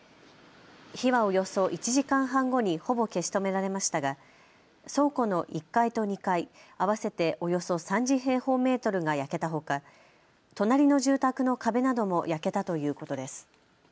火はおよそ１時間半後にほぼ消し止められましたが倉庫の１階と２階合わせておよそ３０平方メートルが焼けたほか隣の住宅の壁なども焼けたということです。